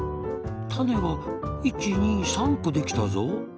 たねが１２３こできたぞ。